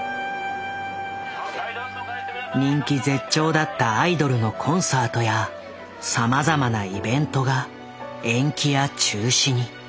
人気絶頂だったアイドルのコンサートやさまざまなイベントが延期や中止に。